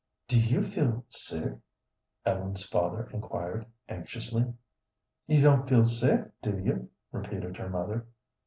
"Do you feel sick?" Ellen's father inquired, anxiously. "You don't feel sick, do you?" repeated her mother.